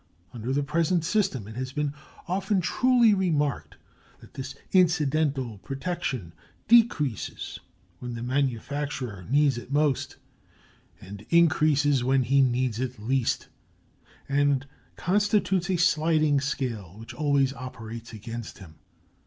Under the present system it has been often truly remarked that this incidental protection decreases when the manufacturer needs it most and increases when he needs it least, and constitutes a sliding scale which always operates against him.